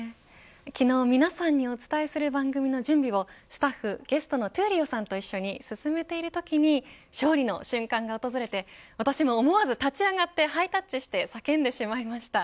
昨日、皆さんにお伝えする番組の準備をスタッフ、ゲストの闘莉王さんと一緒に進めているときに勝利の瞬間が訪れて私も思わず立ち上がってハイタッチして叫んでしまいました。